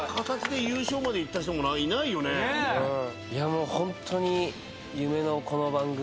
もうホントに夢のこの番組に。